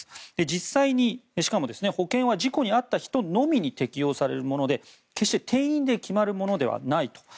実際に、しかも保険は事故に遭った人にのみに適用されるもので、決して定員で決まるものではないと。